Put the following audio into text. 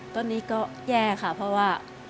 ตอนนี้ก็แย่ค่ะเพราะว่า